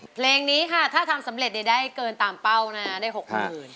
เพลงนี้ค่ะถ้าทำสำเร็จได้เกินตามเป้านะได้๖๐๐๐บาท